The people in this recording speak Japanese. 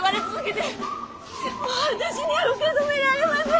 もう私には受け止められません。